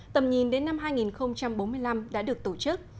tầm nhìn đến năm hai nghìn bốn mươi năm đã được tổ chức